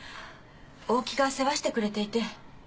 大木が世話してくれていて。